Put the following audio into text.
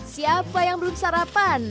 siapa yang belum sarapan